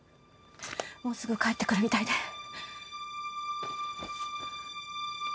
もうすぐ帰ってくるみたいで。